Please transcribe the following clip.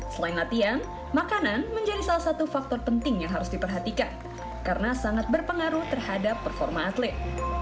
selain latihan makanan menjadi salah satu faktor penting yang harus diperhatikan karena sangat berpengaruh terhadap performa atlet